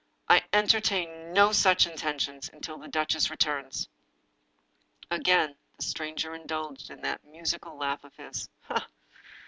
"I entertain no such intentions — until the duchess re turns." Again the stranger indulged in that musical laugh of his.